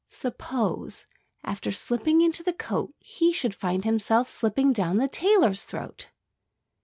Suppose, after slipping into the coat, he should find himself slipping down the tailor's throat?